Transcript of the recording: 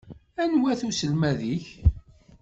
Anwa-t uselmad-ik?